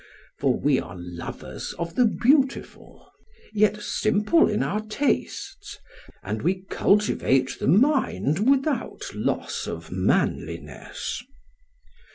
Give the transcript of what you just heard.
For we are lovers of the beautiful, yet simple in our tastes, and we cultivate the mind without loss of manliness.